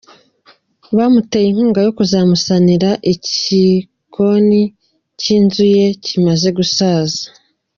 Bamuteye inkunga yo kuzamusanira ikikoni cy’inzu ye kimaze gusaza.